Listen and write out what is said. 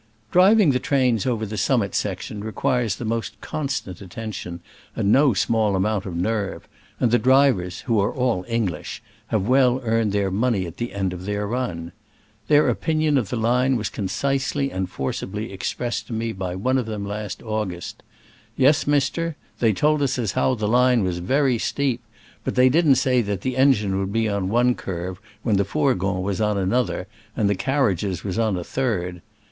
Driving the trains over the summit section requires the most constant at tention and no small amount of nerve, and the drivers, who are all English, have ^ell earned their money at the end of their run. Their opinion of the line was concisely and forcibly express ed to me by one of them in last August : "Yes, mister, they told us as how the line was very steep, but they didn't say that the engine would be on one curve, when the fourgon was on another, and the carriages was on a third.